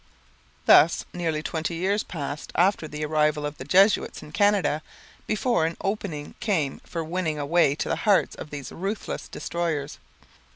Thus nearly twenty years passed after the arrival of the Jesuits in Canada before an opening came for winning a way to the hearts of these ruthless destroyers.